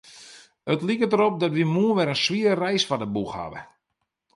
It liket derop dat wy moarn wer in swiere reis foar de boech hawwe.